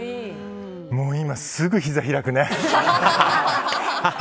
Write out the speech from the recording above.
もう今すぐ、ひざ開くね。